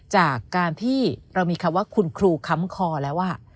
จากการที่เรามีคำว่าคุณครูค้ำคอแล้ว